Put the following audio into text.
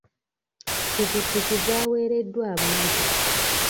Ppikipiki zaaweereddwa abantu.